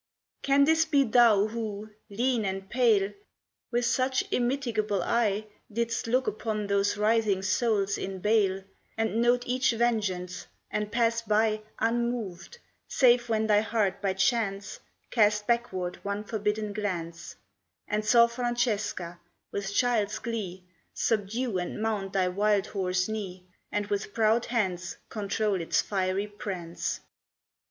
Can this be thou who, lean and pale, With such immitigable eye Didst look upon those writhing souls in bale, And note each vengeance, and pass by Unmoved, save when thy heart by chance Cast backward one forbidden glance, And saw Francesca, with child's glee, Subdue and mount thy wild horse knee And with proud hands control its fiery prance?